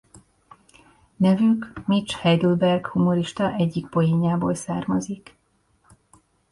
Nevük Mitch Heidelberg humorista egyik poénjából származik.